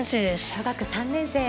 小学３年生。